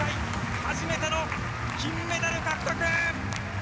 初めての金メダル獲得！